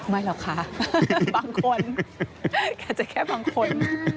ไม่หรอกค่ะบางคนอาจจะแค่บางคน